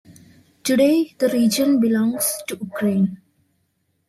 Today the region belongs to Ukraine.